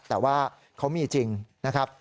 แต่ว่าเขามีจริงนะครับ